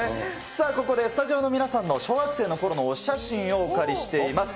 さあ、ここでスタジオの皆さんの小学生のころのお写真をお借りしています。